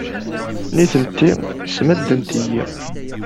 Nitenti ssmadent-iyi.